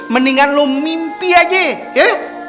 mendingan lo mimpi aja ke